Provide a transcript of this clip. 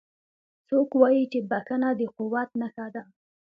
څوک وایي چې بښنه د قوت نښه ده